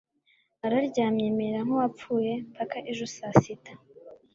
nararyamye mera nkuwapfuye mpaka ejo saa sita